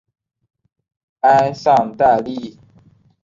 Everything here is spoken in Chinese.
埃尚代利。